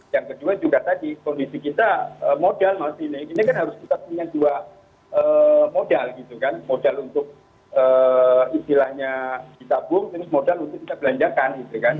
yang kedua juga tadi kondisi kita modal ini kan harus kita punya dua modal modal untuk istilahnya kita bung modal untuk kita belanjakan